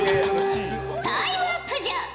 タイムアップじゃ。